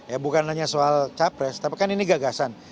ya bukan hanya soal capres tapi kan ini gagasan